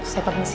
saya permisi ya